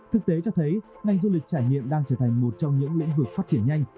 thực tế cho thấy ngành du lịch trải nghiệm đang trở thành một trong những lĩnh vực phát triển nhanh